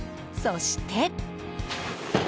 そして。